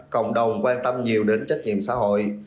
cộng đồng quan tâm nhiều đến trách nhiệm xã hội